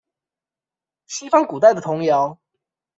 西方古代的童謠